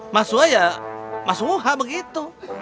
mas hua ya mas wuha begitu